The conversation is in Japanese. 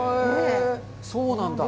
そうなんだ。